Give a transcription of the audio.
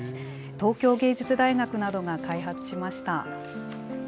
東京藝術大学などが開発しました。